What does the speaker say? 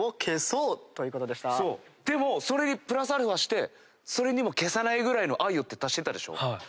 それにプラスアルファしてそれでも消せないぐらいの愛をって足してたでしょ。